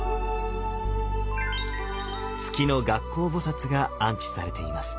月の月光菩が安置されています。